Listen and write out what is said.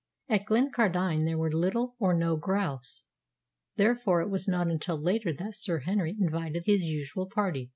At Glencardine there were little or no grouse; therefore it was not until later that Sir Henry invited his usual party.